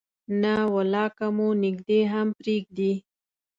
نه ولا که مو نږدې هم پرېږدي.